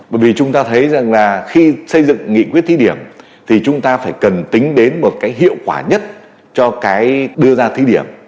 bởi vì chúng ta thấy rằng là khi xây dựng nghị quyết thí điểm thì chúng ta phải cần tính đến một cái hiệu quả nhất cho cái đưa ra thí điểm